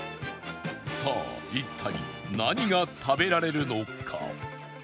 さあ一体何が食べられるのか？